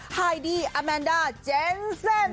ไฮดีอาแมนดาเจนเซ่น